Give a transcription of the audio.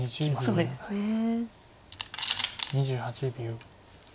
２８秒。